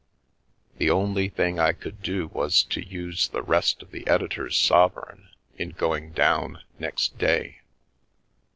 The only thing I could do was to use the rest of the editor's sovereign in going down next day.